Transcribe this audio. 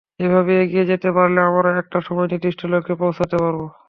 এভাবে এগিয়ে যেতে পারলে আমরা একটা সময়ে নির্দিষ্ট লক্ষ্যে পৌঁছাতে পারব।